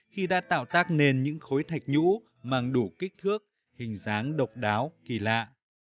khi đã tạo tác nên những khối thạch nhũ mang đủ kích thước hình dáng độc đáo kỳ lạ